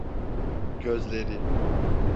Gözleri…